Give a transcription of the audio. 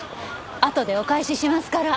あとでお返ししますから。